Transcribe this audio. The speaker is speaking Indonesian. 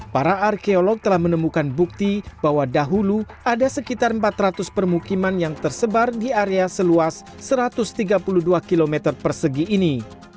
para arkeolog telah menemukan bukti bahwa dahulu ada sekitar empat ratus permukiman yang tersebar di area seluas satu ratus tiga puluh dua km persegi ini